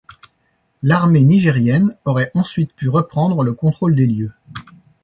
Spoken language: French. L'armée nigérienne aurait ensuite pu reprendre le contrôle des lieux.